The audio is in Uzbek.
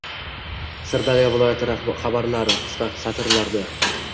Sirdaryo viloyati xabarlari – qisqa satrlarda